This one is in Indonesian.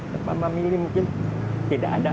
tanpa mami yuli mungkin tidak ada